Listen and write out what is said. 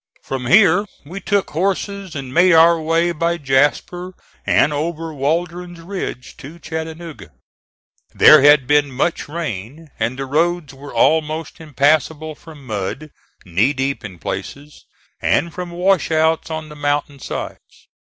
From here we took horses and made our way by Jasper and over Waldron's Ridge to Chattanooga. There had been much rain, and the roads were almost impassable from mud, knee deep in places, and from wash outs on the mountain sides.